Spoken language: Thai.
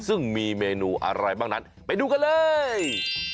ซึ่งมีเมนูอะไรบ้างนั้นไปดูกันเลย